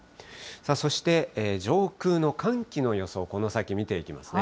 そして上空の寒気の予想、この先、見ていきますね。